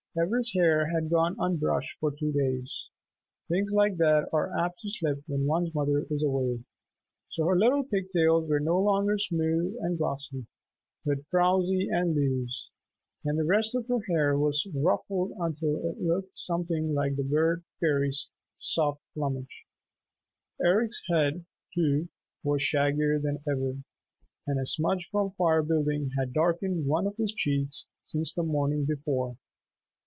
Ivra's hair had gone unbrushed for two days. Things like that are apt to slip when one's mother is away. So her little pigtails were no longer smooth and glossy, but frowsy and loose, and the rest of her hair was ruffled until it looked something like the Bird Fairies' soft plumage. Eric's head, too, was shaggier than ever, and a smudge from firebuilding had darkened one of his cheeks since the morning before.